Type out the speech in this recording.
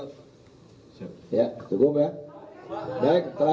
baik terakhir sekali lagi